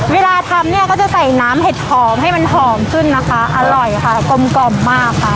เวลาทำเนี่ยก็จะใส่น้ำเห็ดหอมให้มันหอมขึ้นนะคะอร่อยค่ะกลมกล่อมมากค่ะ